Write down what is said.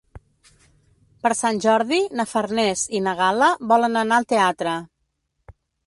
Per Sant Jordi na Farners i na Gal·la volen anar al teatre.